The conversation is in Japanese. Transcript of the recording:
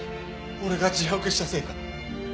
俺が自白したせいか？